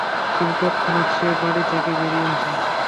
তিনি তৎক্ষনাৎ সে বাড়ি থেকে বেরিয়ে আসেন।